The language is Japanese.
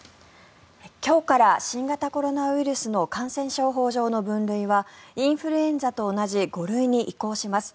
今日から新型コロナウイルスの感染症法上の分類はインフルエンザと同じ５類に移行します。